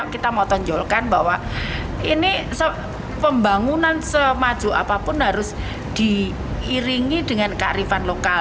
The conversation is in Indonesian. kita mau tonjolkan bahwa ini pembangunan semaju apapun harus diiringi dengan kearifan lokal